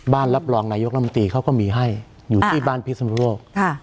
รับรองนายกรรมตรีเขาก็มีให้อยู่ที่บ้านพิศนุโลก